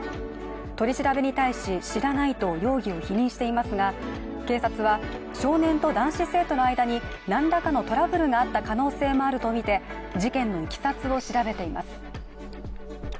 取り調べに対し知らないと容疑を否認していますが警察は少年と男子生徒の間に何らかのトラブルがあった可能性もあるとみて事件のいきさつを調べています。